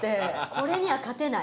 これには勝てない。